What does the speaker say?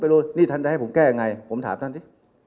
ไปเรื่อยนี่ท่านจะให้ผมแก้ไงผมถามท่านสิ